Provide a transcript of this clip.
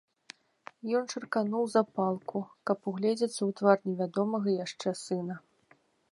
Ён чыркануў запалку, каб угледзецца ў твар невядомага яшчэ сына.